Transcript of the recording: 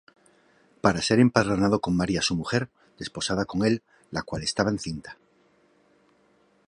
Para ser empadronado con María su mujer, desposada con él, la cual estaba encinta.